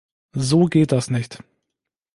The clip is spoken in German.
So geht das nicht!